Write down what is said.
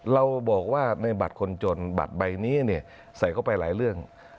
เราบอกว่าในบัตรคนจนบัตรใบนี้เนี่ยใส่เข้าไปหลายเรื่อง